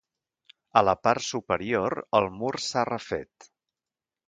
A la part superior el mur s'ha refet.